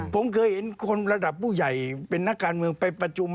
ผมเคยเห็นคนระดับผู้ใหญ่เป็นนักการเมืองไปประชุม